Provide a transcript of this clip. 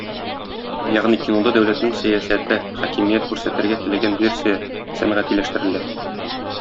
Ягъни кинода дәүләтнең сәясәте, хакимият күрсәтергә теләгән версия сәнгатиләштерелә.